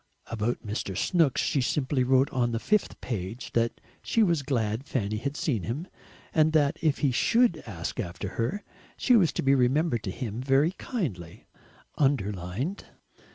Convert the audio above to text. About Mr. Snooks she simply wrote on the fifth page that she was glad Fanny had seen him, and that if he SHOULD ask after her, she was to be remembered to him VERY KINDLY (underlined).